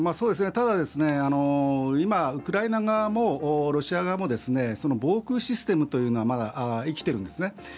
ただ、今ウクライナ側もロシア側も防空システムというのはまだ生きているんですね。